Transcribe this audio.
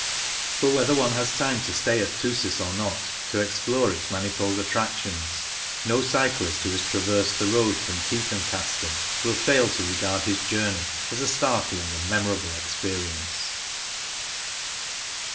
But whether one has time to stay at Thusis or not, to explore its mani fold attractions, no cyclist who has traversed the road from Tiefenkasten will fail to regard his journey as a startling and memorable experience.